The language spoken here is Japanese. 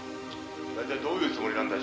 大体どういうつもりなんだ？